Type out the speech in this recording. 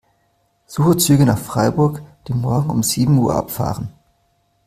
Suche Züge nach Freiburg, die morgen um sieben Uhr abfahren.